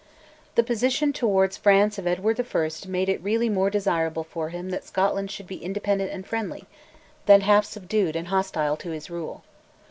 The position towards France of Edward I. made it really more desirable for him that Scotland should be independent and friendly, than half subdued and hostile to his rule.